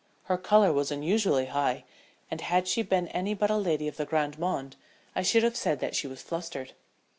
Her color was unusually high, and had she been any but a lady of the grande monde I should have said that she was flustered.